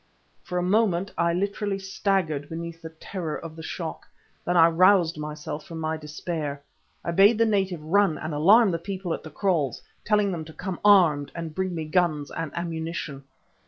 For a moment I literally staggered beneath the terror of the shock. Then I roused myself from my despair. I bade the native run and alarm the people at the kraals, telling them to come armed, and bring me guns and ammunition.